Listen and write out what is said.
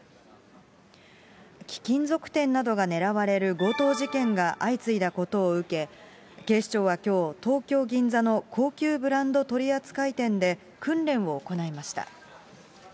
貴金属店などが狙われる強盗事件が相次いだことを受け、警視庁はきょう、東京・銀座の高級ブランド取扱店で、訓練を行いました。